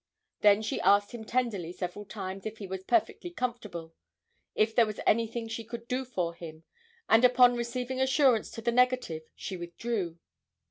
Then she asked him tenderly several times if he was perfectly comfortable, if there was anything she could do for him and upon receiving assurance to the negative she withdrew.